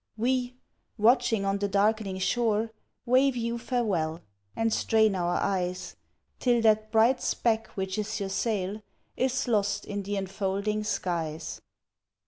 We, watching on the darkening shore, Wave you farewell, and strain our eyes Till that bright speck which is your sail Is lost in the enfolding skies.